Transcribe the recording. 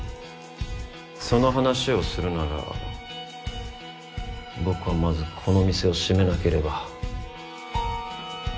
その話をするなら僕はまずこの店を閉めなければ。